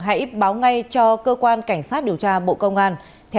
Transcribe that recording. hãy báo ngay cho cơ quan cảnh sát điều tra bộ công an